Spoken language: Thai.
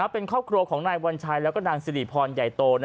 เป็นครอบครัวของนายวัญชัยแล้วก็นางสิริพรใหญ่โต